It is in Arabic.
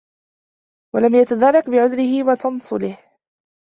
وَلَمْ يَتَدَارَكْ بِعُذْرِهِ وَتَنَصُّلِهِ